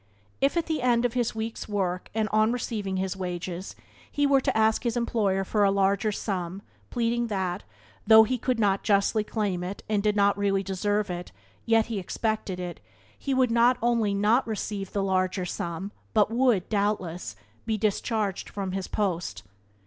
If at the end of his week's work, and on receiving his wages, he were to ask his employer for a larger sum, pleading that, though he could not justly claim it and did not really deserve it, yet he expected it, he would not only not receive the larger sum but would, doubtless, be discharged from his post.